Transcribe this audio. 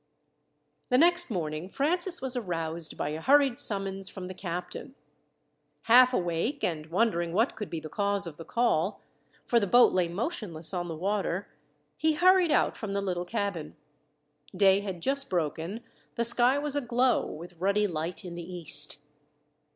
The next morning Francis was aroused by a hurried summons from the captain. Half awake, and wondering what could be the cause of the call, for the boat lay motionless on the water, he hurried out from the little cabin. Day had just broken, the sky was aglow with ruddy light in the east.